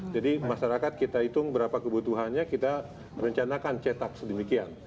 jadi masyarakat kita hitung berapa kebutuhannya kita rencanakan cetak sedemikian